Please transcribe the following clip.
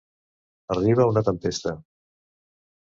Arriba una tempesta.